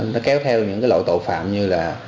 nó kéo theo những cái loại tội phạm như là